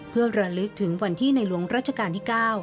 เพื่อระลึกถึงวันที่ในหลวงรัชกาลที่๙